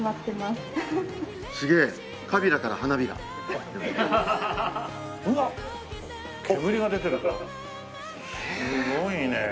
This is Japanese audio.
すごいねえ。